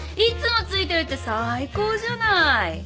いつもついてるって最高じゃない。